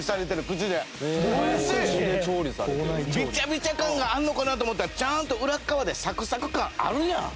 ビチャビチャ感があるのかなと思ったらちゃんと裏側でサクサク感あるやん！